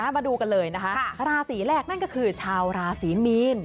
มาดูกันเลยนะคะราศีแรกนั่นก็คือชาวราศีมีน